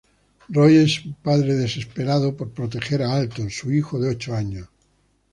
Roy es un padre desesperado por proteger a Alton, su hijo de ocho años.